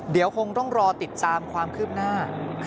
เดี๋ยวคงต้องรอติดตามความคืบหน้า